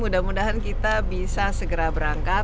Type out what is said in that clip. mudah mudahan kita bisa segera berangkat